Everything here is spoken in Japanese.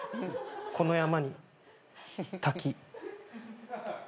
この山に滝。